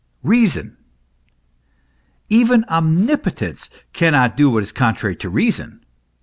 reason. Even omnipotence cannot do what is contrary to reason.